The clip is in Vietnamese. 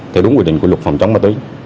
theo đúng quy định của luật phòng chống ma túy